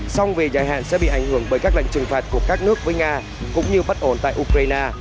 song về dài hạn sẽ bị ảnh hưởng bởi các lệnh trừng phạt của các nước với nga cũng như bất ổn tại ukraine